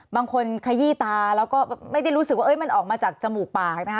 ขยี้ตาแล้วก็ไม่ได้รู้สึกว่ามันออกมาจากจมูกปากนะคะ